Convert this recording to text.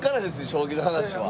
将棋の話は。